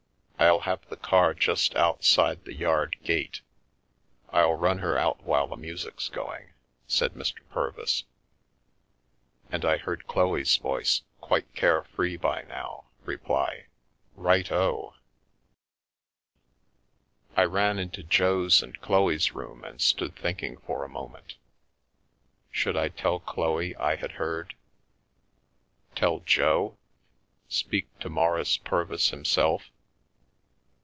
I'll have the car just outsi the yard gate, I'll run her out while the music's going said Mr. Purvis, and I heard Chloe's voice, quite car free by now, reply " Right O I " I ran into Jo's and Chloe's room and stood thinkii for a moment. Should I tell Chloe I had heard? T Jo? Speak to Maurice Purvis himself?